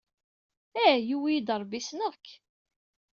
Eh, yuwey-iyi-d Ṛebbi ssneɣ-k!